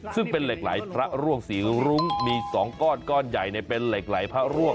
ซึ่งเป็นเหล็กไหลพระร่วงสีรุ้งมี๒ก้อนก้อนใหญ่เป็นเหล็กไหลพระร่วง